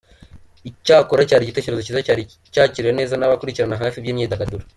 Icyakora cyari igitekerezo cyiza cyari cyakiriwe neza n'abakurikiranira hafi ibijyanye n'imyidagaduro.